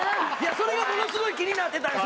それがものすごい気になってたんです